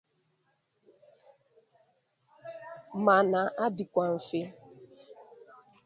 ma na-adịkwa mfe